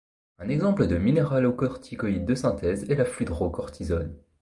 Un exemple de minéralocorticoïde de synthèse est la fludrocortisone.